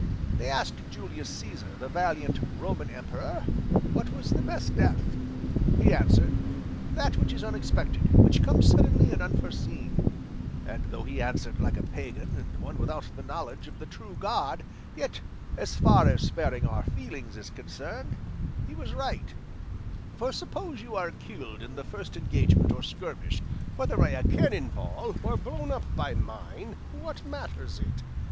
They asked Julius Caesar, the valiant Roman emperor, what was the best death. He answered, that which is unexpected, which comes suddenly and unforeseen; and though he answered like a pagan, and one without the knowledge of the true God, yet, as far as sparing our feelings is concerned, he was right; for suppose you are killed in the first engagement or skirmish, whether by a cannon ball or blown up by mine, what matters it?